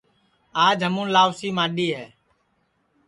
آج ہمُون لاؤسی ماڈؔی ہے